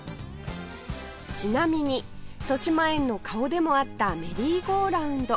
ちなみにとしまえんの顔でもあったメリーゴーラウンド